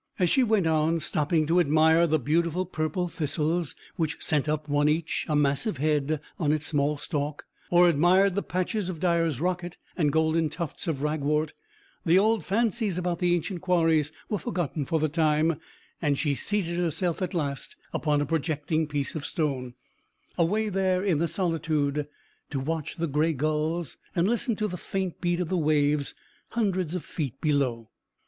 As she went on, stopping to admire the beautiful purple thistles, which sent up one each a massive head on its small stalk, or admired the patches of dyer's rocket and the golden tufts of ragwort, the old fancies about the ancient quarries were forgotten for the time, and she seated herself at last upon a projecting piece of stone, away there in the solitude, to watch the grey gulls and listen to the faint beat of the waves hundreds of feet below.